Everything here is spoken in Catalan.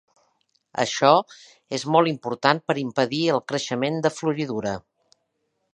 Això és molt important per impedir el creixement de floridura.